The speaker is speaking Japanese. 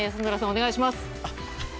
お願いします。